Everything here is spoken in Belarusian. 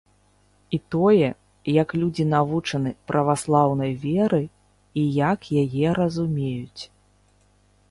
І тое, як людзі навучаны праваслаўнай веры і як яе разумеюць.